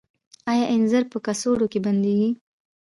آیا انځر په کڅوړو کې بندیږي؟